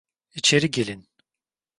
İçeri gelin.